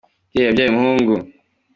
umubyeyi yabyaye umuhungu